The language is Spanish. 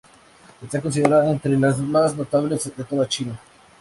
Están consideradas entre las más notables de toda China.